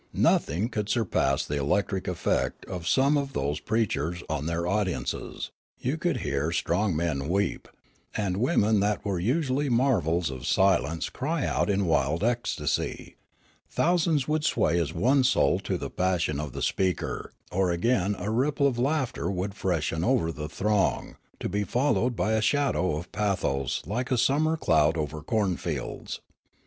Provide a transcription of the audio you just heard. Nothing could surpass the electric effect of some of those preachers on their audiences ; you could hear strong men weep, and women that were usually marvels of silence cry out in wild ecstasy ; thousands would sway as one soul to the passion of the speaker, or again a ripple of laughter would freshen over the throng, to be followed by a shadow of pathos like a summer cloud over corn fields.